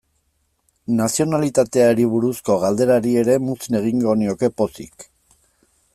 Nazionalitateari buruzko galderari ere muzin egingo nioke pozik.